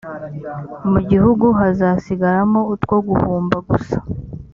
mu gihugu hazasigaramo utwo guhumba gusa.